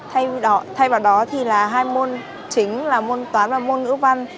thay vào đó thì là hai môn chính là môn toán và môn ngữ văn